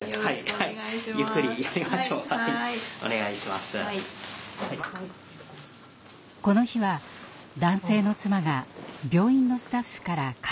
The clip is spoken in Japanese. この日は男性の妻が病院のスタッフから介護指導を受けていました。